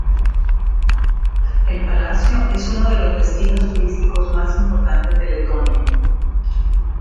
El palacio es uno de los destinos turísticos más importantes de Letonia.